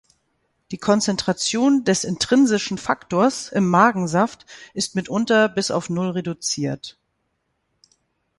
Die Konzentration des Intrinsischen Faktors im Magensaft ist mitunter bis auf Null reduziert.